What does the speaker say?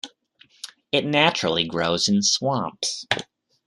It naturally grows in swamps.